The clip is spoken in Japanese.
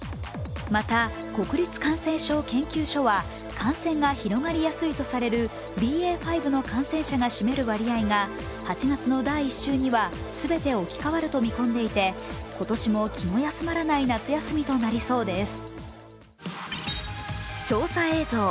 また、国立感染症研究所は感染が広がりやすいとされるＢＡ．５の感染者が占める割合が８月の第１週にはすべて置き換わると見込んでいて今年も気の休まらない夏休みとなりそうです。